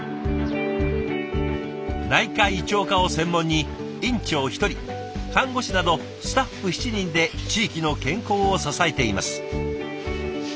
内科胃腸科を専門に院長１人看護師などスタッフ７人で地域の健康を支えています。